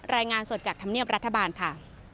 รายงานสดจากธรรมเนียบรัฐบาลค่ะ